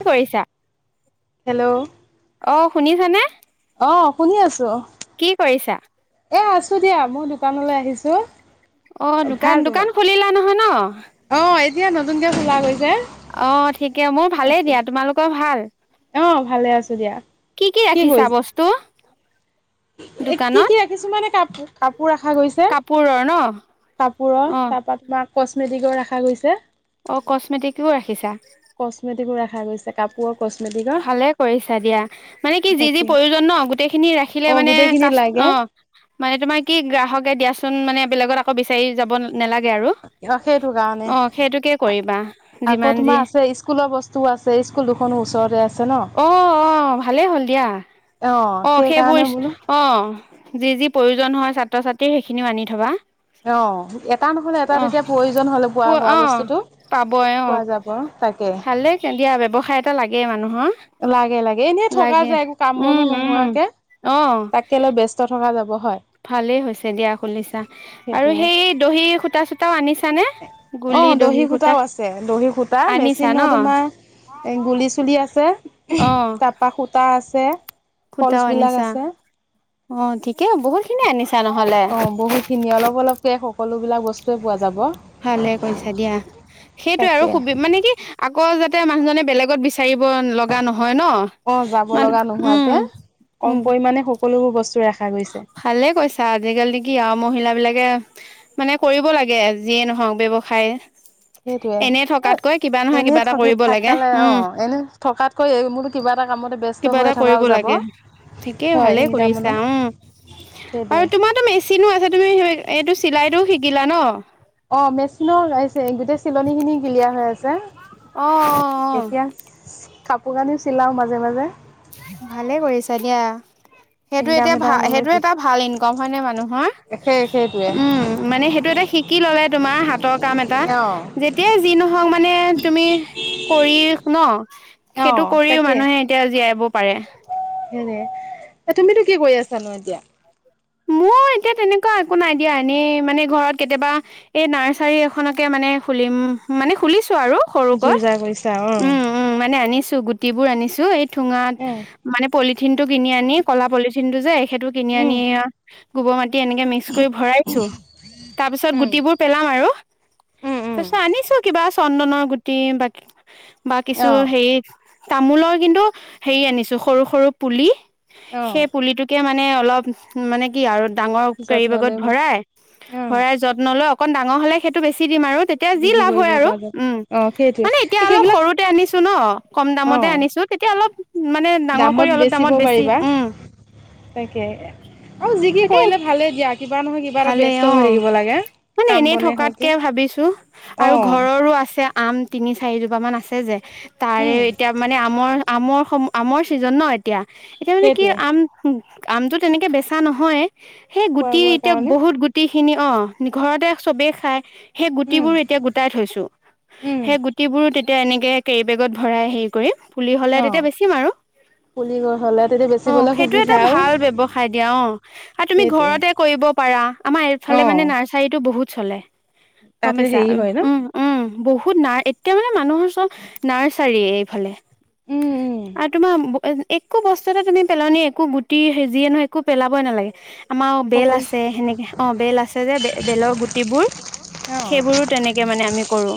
কি কৰিছা? হেল্ল' অ শুনিছানে অ শুনি আছো কি কৰিছা? এ আছো আছো দিয়া মোৰ দোকানলে আহিছোঁ অ দোকান দোকান খুলিলা নহয় হয় ন অ এতিয়া নতুনকে খোলা গৈ অ ঠিকে মোৰ ভালেই দিয়া তোমালোকৰ ভাল অহ ভালে আছো দিয়া কি কৰিছ এ কি দোকানত? কি ৰাখিছো মানে কাপ কাপোৰ ৰখা গৈছে কাপোৰৰ ন? কাপোৰৰ অ তাৰ পৰা তোমাৰ কচমেটিকৰ ৰাখা গৈছে অঁ কচমেটিকো ৰাখিছা ভাল হৈ কাপোৰ ভালে কৰিছা দিয়া মানে কি যি যি তাকে প্ৰয়োজন ন গোটেই খিনি ৰাখিলে অ মানে গোটেইখিনি কাচ অ লাগে মানে তোমাৰ কি গ্ৰাহকে দিয়া অৰ্পণ মানে আকৌ বিচাৰি যাব নালাগে আৰু। অ সেইটো কাৰণে অ সেইটোকে কৰিবা আকৌ যিমান যি তোমাৰ আছে স্কুলৰ বস্তুও আছে স্কুল দুখনো ওচৰতে আছে ন অ অহ ভালেই হ'ল দিয়া অ সেইবোৰ সেইকাৰণে বোলো স্কুল অ যি যি প্ৰয়োজন হয় ছাত্ৰ ছাত্ৰীৰ সেইখিনিও আনি থবা অ এটা নহলে এটা অ তেতিয়া প্ৰয়োজন হলে প হোৱা অ বস্তুটো পাবই অ পোৱা যাব তাকে এই মানুহ লাগে লাগে এনে থকা যায় একো কাম বনো উম উম নোহোৱাকে অ তাকে লৈ ব্যস্ত থকা যাব হয়। ভালেই হৈছে দিয়া খুলিছা আৰু সেইটোৱে সেই দহি খু তা চোতা আনি- অ দহি সূতাও আছে দহি সূতা আনিছা ন মেচিনৰ তোমাৰ গুলি চুলি আছে অ তাপা সূতা আছে। ছে সূতাও ফলছবিলাক আনিছা আছে অ ঠিকেই বহুত খিনি আনিছা নহলে অ', বহুতখিনি অলপ অলপকে সকলো বিলাক বস্তুৱে পোৱা যাব ভালে কৈছা দিয়া সেইটোৱে আৰু তাকে সুবি মানে কি আক আকৌ যাতে মানুজনে বেলেগত বিচ চাৰিব লগা নহয় অ', যাব ন মান লগা উম উ কোনো বস্তু ৰাখা গৈছে। ভালে কৈছা আজিকালি কি আৰু মহিলা বিলাকে মানে কৰিব লাগে যিয়ে নহওক ব্যৱসায় সেইটোয়ে এনে অ থকাতকৈ কিবা নহয় এনে কিবা এটা থকি কৰিব লাগে থাকালে অ উম এনে থকাতকৈ মোৰো কিবা এটা কামতে ব্যস্ত কিবা হৈ এটা থকাও কৰিব যাব লাগে ঠিকেই হয় ভালেই ইনকামনো কৰিছা অহ সেইটোৱে আৰু তোমাৰতো মেচিনো আছে তুমি এইটো চিলাইটো শিকিলা ন অ মেচিনৰ আহিছে গোটেই চিলনী খিনি ক্লিয়াৰ হৈ আছে। অহ অহ এতিয়া অহ কাপোৰ কানিও চিলাওঁ মাজে মাজে ভালে কৰিছা দিয়া সেইটো ইনকাম এতিয়া এটা ভা হল সেইটো এটা ভাল ইনকম হয় নে মানুহৰ সেই সেইটোৱে উম মানে সেইটো এটা শিকি ললে তোমাৰ হাতৰ কাম এটা অ যেতিয়াই যি নহওক মানে তুমি কৰি ন অ সেইটো কৰিও তাকে মানুহে এতিয়া জীয়াই হব পাৰে সে তুমিতো কি কৰি আছা ন এতিয়া মোৰ এতিয়া তেনেকোৱা একো ন দিয়া এনেই মানে ঘৰত কেতিয়াবা এই নাৰ্চাৰী এখনকে মানে খুলিম মানে খুলিছো। ছো আৰু জোৰ সৰুকৈ জাৰ কৰিছা অ উম উম মানে আনিছো। গুটি বোৰ আনিছো এইটো থোঙাত উম মানে পলিথিন টো কিনি আনি কলা পলিথিন টো যে সেইটো কিনি উম আনি গোবৰ মাটি এনেকে মিক্স কৰি ভৰাইছো তাৰ পিছত উম গুটিবোৰ পেলাম আৰু উম উম তাৰপিছত আনিছো কিবা চন্দনৰ গোটী বাকী বা কিছু অ হেৰি। তামোলৰ কিন্তু হেৰি আনিছো সৰু সৰু পুলি। অ সেই পুলিটোকে মানে। অলপ। মানে কি আৰু। ডাঙৰ কাৰী যত্ন বেগত লৈ ভৰাই অ ভৰাই যত্ন লওক অকন ডাঙৰ হলে সেইটো বেছি। দিম আৰু তেতিয়া যি বিক্ৰী লাভ কৰিব হয় আৰু পৰা যাব উম অ সেইটোৱে মানে এতিয়া অলপ সেইবিলাক সৰুতে আনিছো ন কম অ দামতে আনিছো তেতিয়া অলপ। মানে ডাঙৰ দামত কৰি অলপ বেচিব দামত বেছি পাৰিবা উম। অ যি কি তাকে কৰিলে ভালে দিয়া কিবা নহয় কিবা এটা ভালেই ব্যস্ত হৈ অ থাকিব লাগে মানে কাম এনেই বন থকাতকে হওকে ভাবিছো অ। আৰু ঘৰৰো আছে আম তিনি চাৰিজোপা মান আছে যে। তাৰে উম এতিয়া মানে আমৰ আমৰ। সম আমৰ ছিজন ন এতিয়া। এতিয়া মানে কি সেইটোৱে আম। আমটো তেনেকে বেছি। কথা নহয়। সেই খোৱা গুটি বোৱাৰ এতিয়া কাৰণে বহুত গুটি। খিনি অ ঘৰতে চবেই খাই। সেই উম গুটিবোৰ এতিয়া গোটাই থৈছো উম সেই গুটিবোৰ। এতিয়া এনেকে কেৰিবেগত ভৰাই হেৰি কৰিম। পুলি অ হ'লে বেছি মাৰো পুলি গছ হলে তেতিয়া বেচিবলৈ সেইটো এটা সুবিধা আৰু ভাল ব্যবসায়। দিয়া অ আৰু তুমি সেইটোৱে ঘৰতে কৰিব পাৰা আমাৰ অ এইফালে মানে নাৰ্চাৰটো বহুত। চলে। ক তাতে বেছা হেৰি উ হয় ন উম উম। বহুত নাৰ এতিয়া মানে মানুহৰ চব নাৰ্চাৰীয়েে এইফালে। উম উম আৰু তোমাৰ। একো বস্তু এটা তুমি পেলাান একো গুটি সেজিয়ে নহয়। একো পেলাবই নালাগে। আমাৰ বেল সকলো আছে সেনেকে অ বেল আছে যে বেলৰ গুটিবোৰ অ সেইবোৰো তেনেকে মানে আমি কৰো।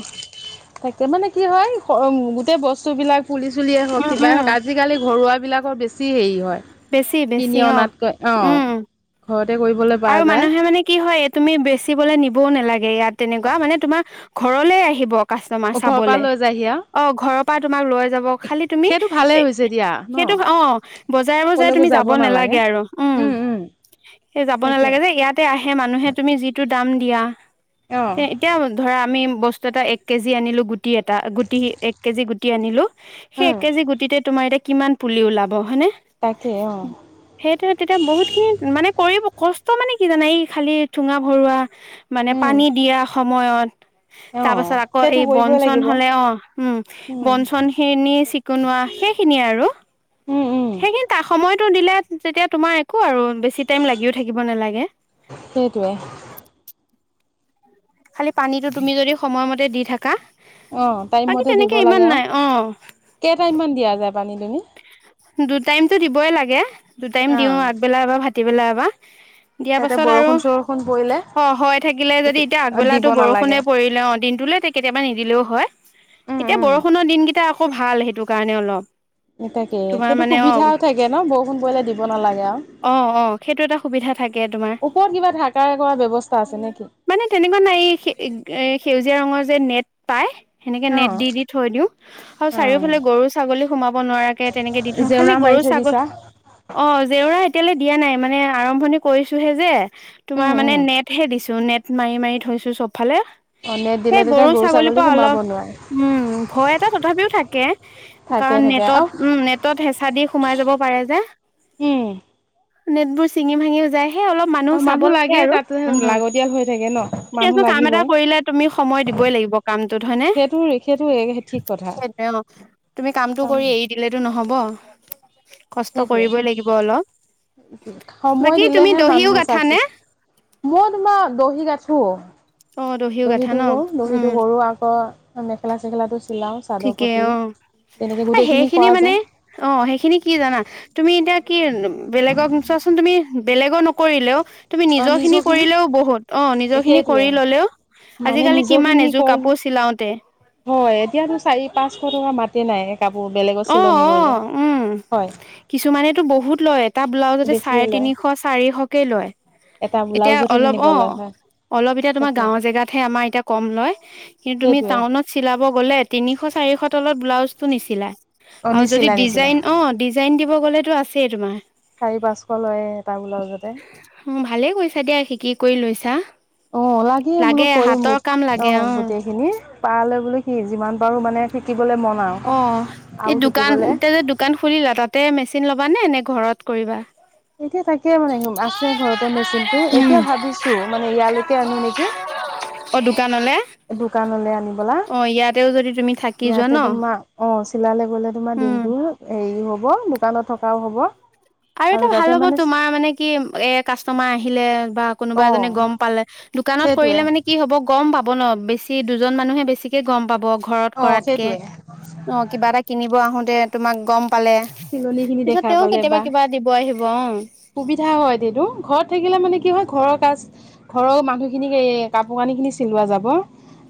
তাকে মানে কি হয় গোটেই বস্তুবিলাক পুলি চুলিয়ে হওক উম কিবাই উম হওক আজিকালি ঘৰুৱা। বিলাকৰ বেছি হেৰি হয়। বেছি কিনি বেছি অ অনাতকৈ অঁ উম। ঘৰতে কৰিবলৈ পৰা আৰু যায় মানুহে মানে কি হয় তুমি বেচিবলৈ নিবও নালাগে ইয়াত। তেনেকুৱা মানে তোমাৰ ঘৰলে আহিব। কাষ্টমাৰ ঘৰৰ পৰা চাবলে লৈ যায়হি আৰু অ ঘৰৰ পৰাই তোমাৰ লৈ যাব। খালি তুমি সেইটো ভালে হৈছে দিয়া ন সেইটো বজাৰে বজাৰে যাব নালাগে আৰু ওম। উম উম যাব তাকে নালাগে যে ইয়াতে আহে মানুহে তুমি যিটো যিটো দাম দিয়া অঁ তে এতিয়া ধৰা আমি বস্তু এটা এক কেজি আনিলোঁ গোট গুটি এটা গুটি এক কেজি গুটি টি আনিলো সেই উম এক কেজি গুটিতে তোমাৰ এতিয়া কিমান পুলি ওলাব ব হয়নে? তাকে অঁ সেইটোয়ে তেতিয়া বহুত খিনি মানে কষ্ট মানে কি জানা এই খালি ঠোঙা ভৰোৱা মানে উম পানী দিয়া সময়ত তাৰ অঁ পাছত আকৌ সেইটো এই কৰিবই বনচন লাগিব হলে অ উম উম বনচনখিনি চিকুনোৱা সেইখিনিয়ে আৰু। উম উম সেইখিনি তাক সময়তো দিলে যেতিয়া তোমাৰ থাকোঁ আৰু বেছি টাইম লাগিও থাকিব নালাগে। সেইটোৱে খালি পানীটো তুমি যদি সময়মতে দি থাকা অ টাইম বাকী মতে দিব তেনেকে ইমান লাগে আও। নাই অ', কেটাইম মান দিয়া যায়? পানী তুমি দুটাইমতো দিবই লাগে। দুটাইম দিও অঁ আগবেলা এবাৰ ভাঁ ৰাতি বেলা এবাৰ দিয়াৰ তাতে পাছত আৰু বৰষুণ চৰষুণ পৰিলে অ হয় থাকিলে যদি এতিয়া দিব আগবেলাতো নালাগে। বৰষুনে পৰিলে অ দিনটোলে কেতিয়াবা নিদিলেও হয়। এতিয়া বৰষুণৰ দিনকেইটা খুব ভাল সেইটো কাৰণে অলপ। এ তাকে। তোমাৰ সেইটো মানে অ সুবিধাও থাকে ন বৰষুণ পৰিলে দিব নালাগে আৰু অ অ সেইটো এটা সুবিধা থাকে, তোমাৰ ওপৰত কিবা ঢাকাৰ কৰা ব্যৱস্থা আছে নেকি? মানে তেনেকুৱা নাই সেউজীয়া ৰঙৰ যে নেট পাই সেনেকে অ নেট দি দি থৈ দিওঁ আৰু চাৰিওফালে গৰু ছাগলী সোমাব নোৱাৰাকে দি থওঁ খালি জেওৰা মাৰি গৰু থৈ ছাগলী দিছা। অ খালি জেওৰা এতিয়ালৈ দিয়া নাই মানে আৰম্ভণি কৰিছোহে যে, অ তোমাৰ মানে নেটহে দিছো নেট মাৰি মাৰি থৈছো চব। ফালে নেট দিলে সেই তেতিয়া গৰু ছাগলীৰ ছাগলী পৰা সোমাব অলপ নোৱাৰে উম ভয় এটা তথাপিও থাকে। কে থাকে থাকে আহঁ নেটত সেঁচাদি সোমাই যাব পাৰে যে। উম, নেটবোৰ চিঙি ভাঙিও যায়। এই অলপ মানুহ আৰু চাব লাগে আৰু। তাতে লাগতিয়াল হৈ থাকে ন মানুহ উ কাম এটা লাগিবই কৰিলে তুমি সময় দিবই লাগিব কামটোত হয়নে? সেইটো সেইটো ঠিক কথা সেইটোয়ে অঁ। তুমি কামটো কাৰণ কৰি নহ'ব। কষ্ট সেইটোৱে কৰিবই লাগিব। অলপ সময় বাকী তুমি দিলেহে দহিও মানুহৰ গাঠানে? চাকচেছ মই তোমাক দহি গাঠো। অ দহিও গাঠা দহিতটো ন কৰো উম দহিটো কৰো আকৌ মেখেলা চেখেলাটো চিলাওঁ চাদৰ ঠিকে পতি। অঁ তেনেকে গোটেইখিনি সেইখিনি কৰা মানে যায় অ সেইখিনি কি জানা তুমি এতিয়া। কি বেলেগক চোৱাচোন তুমি বেলেগো নকৰিলেওঁ তুমি অ' নিজৰ খিনি নিজৰখিনি কৰিলেওঁ বহুত অঁ নিজৰ খিনি সেইটোৱে কৰি ললেওঁ। মানে আজিকালি কিমান নিজৰখিনি এযোৰ কৰোঁ। কাপোৰ চিলাওঁতে হয় এতিয়াতো চাৰি পাঁচশ টকা মাতে নাই। কাপোৰ বেলেগৰ অঁ চিলনি কৰিলে। অঁ উম হয় কিছুমানেতো বহুত লয় এটা ব্লাউজতে চাৰে বেছিয়ে লয় তিনিশ, চাৰিশ কেই লয়। এটা এতিয়া ব্লাউজতে অলপ তেনেকুৱা অ লয় হয় অলপ এতিয়া তোমাৰ তাকে। গাঁওৰ জেগাতহে আমাৰ এতিয়া কম লয়। কিন্তু তুমি সেইটোৱে টাউনত চিলাব গ'লে তিনিশ, চাৰিশ তলত ব্লাউজ নিছিলাই! অ' আৰু যদি নিচিলা নিচিলা ডিজাইন অঁ ডিজাইন দিব। ক গলেতো আছে তোমাৰ চাৰি পাঁচশ লয়। এটা ব্লাউজতে। উ ভালেই কৰিছা দিয়া শিকি কৰি লৈছা। অঁ লাগে বোলো কৰিম হাতৰ কাম লাগে অঁ অ গোটেই খিনি পালে বোলে সি যিমান পাৰো মানে শিকি। অঁ এই দোকান এতিয়া যে দোকান খুলিলা তাতে মেচিন লব নে এনে ঘৰত কৰিবা? এতিয়া তাকে মানে আছে ঘৰতে মেচিন টো উম এতিয়া ভাবিছো মানে ইয়ালৈকে আনো নেকি। অ দোকানলে দোকানলৈ আনিবলা অ ইয়াতেও যদি তুমি থাকি যোৱা ন ইয়াতে তোমাৰ অঁ চিলালে গলে তোমাৰ উম দিনটো হেৰি হ'ব হব দোকানত থকাও হ'ব। আৰু এটা ভাল তাতে হ'ব মানে তোমাৰ মানে কি এ কাষ্টমাৰ আহিলে বা কোনোবা অ এজনে গম পালে দোকানত সেইটোৱে কৰিলে মানে কি হ'ব গম পাব। পাব ন বেছি দুজন মানুহে বেছিকে গম পাব। ঘৰত অ কৰাতকে। সেইটোৱে অঁ কিবা এটা কিনিব আহোতে। তোমাক গম। পালে চিলনিখিনি দেখা পালে বা। ব আহিব অ সুবিধা হয় দিদো ঘৰত থাকিলে মানে কি হয় ঘৰৰ কাজ ঘৰৰ মানুহখিনিক এই কাপোৰ কানি খিনি চিলোৱা যাব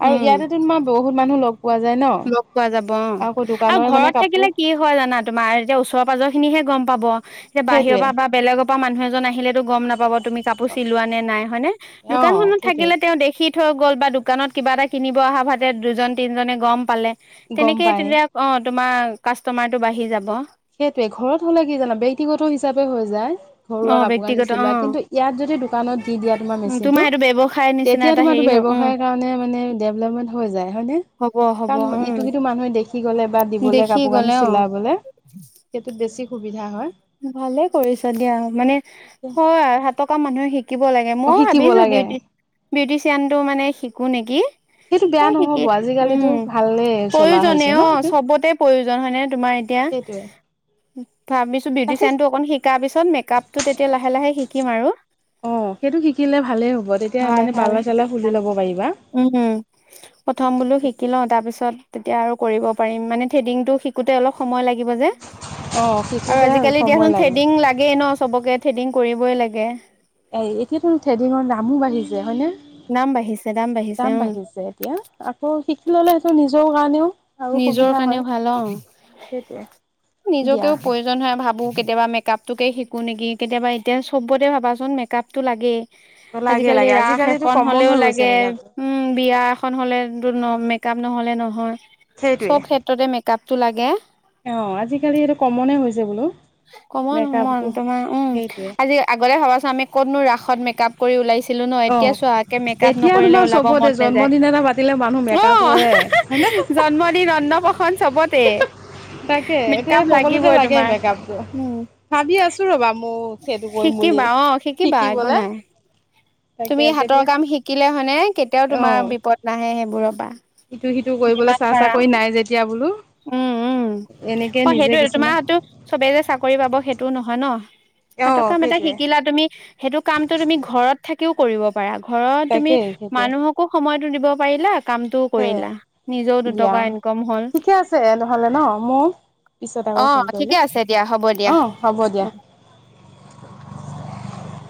আৰু উম ইয়াতে তোমাৰ বহুত মানুহ লগ পোৱা যায় ন লগ পোৱা যাব অ আকৌ আৰু দোকানৰে মানে ঘৰত কাপোৰ থাকিলে কি হয় জানা তোমাৰ এতিয়া ওচৰ পাজৰ খিনিহে গম পাব যে বাহিৰৰ সেইটোৱে পৰা বা বেলেগৰ পৰা মানুহ এজন আহিলেতো গম নাপাব তুমি কাপোৰ চিলোৱা নে নাই হয়নে অ দোকানখনত সেইটোৱে থাকিলে তেওঁ দেখি থৈ গ'ল বা দোকানত কিবা এটা কিনিব অহা ভাতে দুজন তিনিজনে গম পালে গম তেনেকে পাই তেতিয়া অ তোমাৰ কাষ্টমাৰটো বাঢ়ি যাব সেইটোয়ে ঘৰত হ'লে কি জান ব্যক্তিগত হিচাপে হৈ যায় অ ঘৰুৱা কাপোৰ কানি ব্যক্তিগত অ চিলোৱা কিন্তু ইয়াত যদি দোকানত দি দিয়া তোমাৰ মেচিনটো সেইটো ব্যৱসায় নিচিনা তেতিয়া এটা তোমাৰো হেৰি হ উম ব্যৱসায় কাৰণে মানে ডেভলপমেণ্ট হৈ যায় হয়নে। হ'ব হ'ব কাৰণ উম ইটো সিটো মানুহে দেখি গলে বা দিবলে দেখি কাপোৰ কানি গ'লে অ চিলাবলে। টোত বেছি সুবিধা হয় ভালে কৰিছ দিয়া মানে হয় আৰু হাতকা মানুহে শিক শিকিব লাগে অ ময়ো শিকিব ভাবিছোঁ লাগে বিউটি বিউটিচিয়ানটো মানে শিকোঁ নেকি সেইটো তে বেয়া শিকি নহ'ব উম আজিকালিতো ভালেই চলা প্ৰয়োজনে হৈছে ন অ এইটো চবতে প্ৰয়োজন হয় নে তোমাৰ এতিয়া সেইটোৱে থা মি চোন তাকে বিউটিচিয়ান অকন শিক তাৰপিছত মেকআপ টো তেতিয়া লাহে লাহে শিকিম আৰু অ সেইটো শিকিলে ভালেই হ'ব তেতিয়া ভাল মানে ভাল পালা সেইটো চালাহ খুলি ল'ব পাৰিবা উম তাৰপিছত তেতিয়া আৰু কৰিব পাৰিম মানে থ্ৰেডিংটো শিক কোতে অলপ সময় লাগিব যে অ আৰু শিকোতে আজিকালি সময় দিয়াচোন লাগে থ্ৰেডিং লাগেইে ন চবকে থ্ৰেডিং কৰিবই লাগে এই এতিয়াতো থ্ৰেডিঙৰ দামো বাঢ়িছে হয়নে দাম বাঢ়িছে দাম উম বাঢ়িছে এতিয়া আকৌ শিকি ললে সেইটো নিজ [unintelligible] নিজৰ কাৰণেও ভাল অ সেইটোৱে দিয়া নিজকেও প্ৰয়োজন হয় ভাবো কেতিয়াবা মেকআপটোকে শি কো নেকি কেতিয়াবা এতিয়া চবতে ভাবাচোন মেকআপটো লাগেই। লাগে আজিকালি লাগে ৰাস আজিকালিতো এখন কমন হলেও হৈ গৈছে লাগে মেকআপটো উম বিয়া এখন হ'লে। ন মেকআপ নহ'লে নহয় সেইটোৱে চব ক্ষেত্ৰতে মেকআপটো লাগে অ আজিকালি এইটো কমনে হৈছে বোলো কমন হমন মেকআপটো তোমাৰ উম সেইটোৱে আজি আগতে ভবাচোন আমি ক'তনো ৰাসত মেকআপ কৰি ওলাইছে অ এতিয়া তোমাৰ ওলাব মন চবতে নাযায় জন্মদিন এটা পাতিলে মানুহ অ মেকআপ কৰে! হয়নে? জন্মদিন অন্নপ্ৰসন চবতে, তাকে মেক এতিয়া আপ সকলোতে লাগিবই লাগে তোমাৰ, মেকআপটো। উম ভাবি আছো ৰ'বা ময়ো সেইটো কৰিম বুলি। শিকিবা অ শিকিবা একো শিকিবলে নাই। তুমি তাকে হাতৰ কেতিয়া কাম শিকিলে মানে কেতিয়াও তোমাৰ অ', বিপদ নাহে সে বোৰ পা ইটো সিটো কৰিবলৈ যিমান চা পাৰা চাকৰি নাই যেতিয়া বোলো উম উম এনেকে অ নিজে সেইটোয়ে কিছুমান তোমাৰতো চবেই যে চাকৰি পাব সেইটোও নহয় ন। হাতৰ অ', কাম এটা সেইটোৱে শিকিলা তুমি সেইটো কামটো তুমি ঘৰত থাকিও কৰিব পাৰা। ঘৰত তুমি তাকেই সেইটোৱে মানুহকো সময় তো দিব পাৰিলা কামটোও কৰিলা। সেয়াই নিজেও দিয়া দুটকা ইনকম হ'ল ঠিকে আছে নহ'লে ন? মোক পিছত আকৌ অ ফোন কৰিলে ঠিকে আছে দিয়া হ'ব অ দিয়া হ'ব দিয়া।